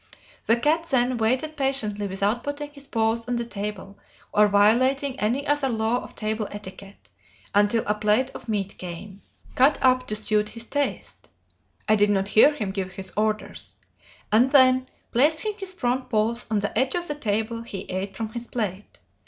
The cat then waited patiently without putting his paws on the table, or violating any other law of table etiquette, until a plate of meat came, cut up to suit his taste (I did not hear him give his order), and then, placing his front paws on the edge of the table, he ate from his plate.